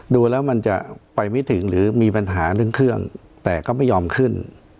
ดูแล้วมันจะไปไม่ถึงหรือมีปัญหาเรื่องเครื่องแต่ก็ไม่ยอมขึ้น